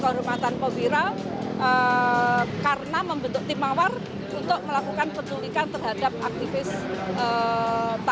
saya berhormatan pak wiranto karena membentuk tim mawar untuk melakukan penulikan terhadap aktivis tahun sembilan puluh tujuh dan sembilan puluh delapan